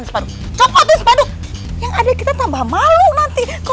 ih ini anak bikin gue tua ias nih